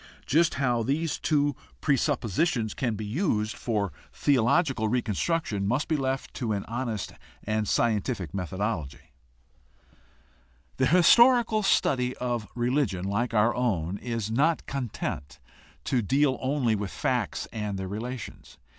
Just how these two presuppositions THE HISTORICAL STUDY OF RELIGION 77 can be used for theological reconstruction must be left to an honest and scientific methodology. The historical study of a religion like our own is not content to deal only with facts and their relations.